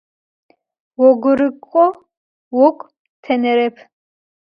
Ğogurık'o ğogu tênerep.